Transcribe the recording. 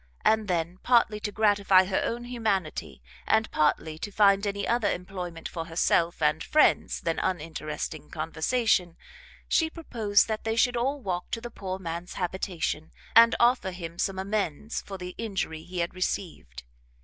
And then, partly to gratify her own humanity, and partly to find any other employment for herself and friends than uninteresting conversation, she proposed that they should all walk to the poor man's habitation, and offer him some amends for the injury he had received.